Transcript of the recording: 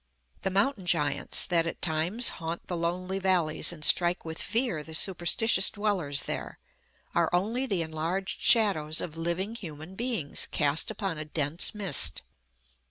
The mountain giants that at times haunt the lonely valleys, and strike with fear the superstitious dwellers there, are only the enlarged shadows of living human beings cast upon a dense mist.